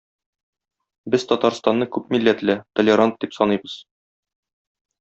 Без Татарстанны күпмилләтле, толерант дип саныйбыз.